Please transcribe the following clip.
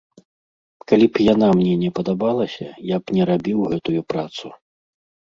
Калі б яна мне не падабалася, я б не рабіў гэтую працу.